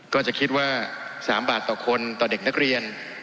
ก็จะคิดว่า๓บาทต่อคนต่อเด็กนักเรียน